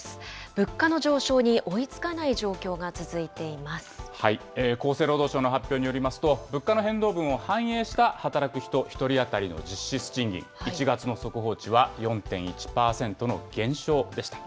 物価の上昇に追いつかない状況が厚生労働省の発表によりますと、物価の変動分を反映した、働く人１人当たりの実質賃金、１月の速報値は４．１％の減少でした。